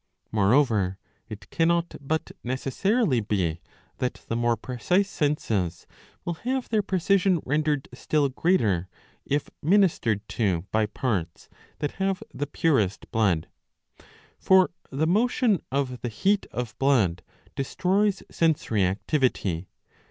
'^ More over it cannot but necessarily be that the more precise senses will have their precision rendered still greater if ministered to by parts that have the purest ^^ blood. For the motion of the heat of blood destroys sensory activity.